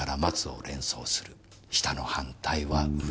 下の反対は上。